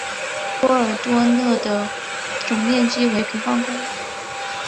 沙尔多讷的总面积为平方公里。